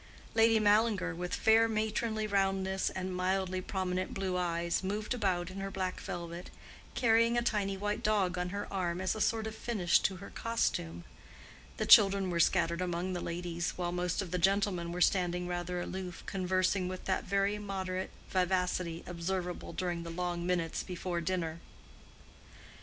Lady Mallinger, with fair matronly roundness and mildly prominent blue eyes, moved about in her black velvet, carrying a tiny white dog on her arm as a sort of finish to her costume; the children were scattered among the ladies, while most of the gentlemen were standing rather aloof, conversing with that very moderate vivacity observable during the long minutes before dinner.